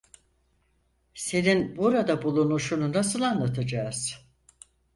Senin burada bulunuşunu nasıl anlatacağız?